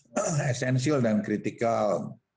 misalnya esensial dan kritikal